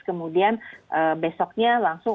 kemudian besoknya langsung